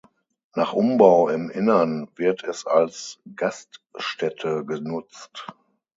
Nach Umbau im Innern wird es als Gaststätte genutzt.